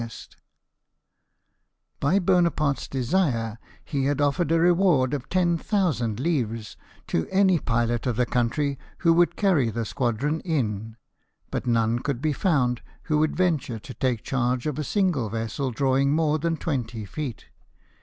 W, By Bona parte's desire he had offered a reward of 10,000 Hvres to any pilot of the country who would carry the squadron in, but none could be found who would venture to take charge of a single vessel drawing more than twenty feet.